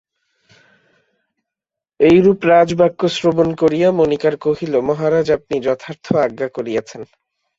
এইরূপ রাজবাক্য শ্রবণ করিয়া মণিকার কহিল মহারাজ আপনি যথার্থ আজ্ঞা করিয়াছেন।